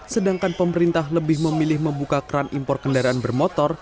sedangkan pemerintah lebih memilih membuka keran impor kendaraan bermotor